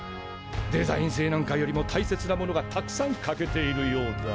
デザイン性なんかよりも大切なものがたくさん欠けているようだ。